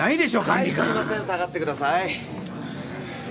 はいすみません下がってください。